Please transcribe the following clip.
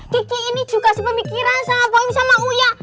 kiki ini juga sepemikiran sama poin sama uya